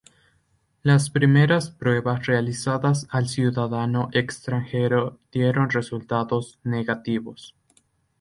Las primeras pruebas realizadas al ciudadano extranjero dieron resultados negativos.